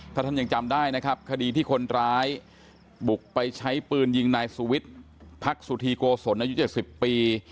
ถ้าท่านยังจำได้นะครับคดีที่คนร้ายบุกไปใช้ปืนยิงนายสุวิทย์พักสุธีโกศลอายุ๗๐ปี